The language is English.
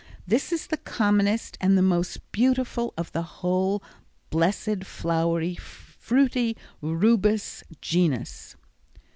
This is the commonest and the most beautiful of the whole blessed, flowery, fruity Rubus genus.